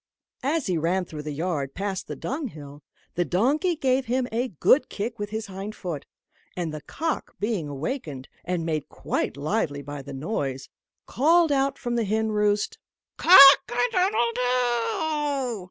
As he ran through the yard, past the dunghill, the donkey gave him a good kick with his hind foot; and the cock being awakened, and made quite lively by the noise, called out from the hen roost "Cock a doodle doo!"